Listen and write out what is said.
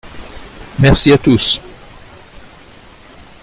Merci à tous.